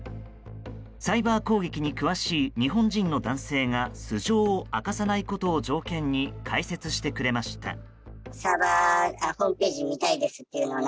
サイバー攻撃に詳しい日本人の男性が素性を明かさないことを条件に解説してくれました。